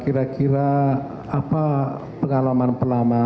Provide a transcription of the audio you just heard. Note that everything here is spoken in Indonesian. kira kira apa pengalaman pelama